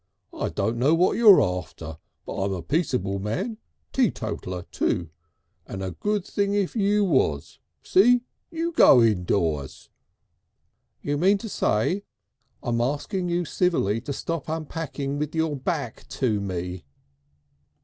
I don't know what you're after, but I'm a peaceable man teetotaller, too, and a good thing if you was. See? You go indoors!" "You mean to say I'm asking you civilly to stop unpacking with your back to me."